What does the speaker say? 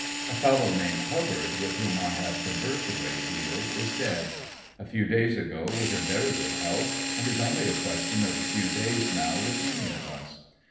A fellow named Hubbard with whom I have conversed a good deal, is dead; a few days ago was in very good health, and its only a question of a few days now with any of us.